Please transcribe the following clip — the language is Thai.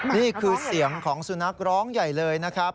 นี่คือเสียงของสุนัขร้องใหญ่เลยนะครับ